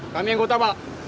kami anggota pak